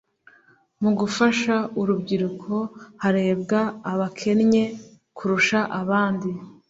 mu gufasha urubyiruko harebwa abakennye kurusha abandi